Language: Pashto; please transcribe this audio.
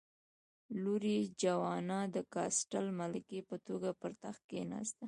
لور یې جوانا د کاسټل ملکې په توګه پر تخت کېناسته.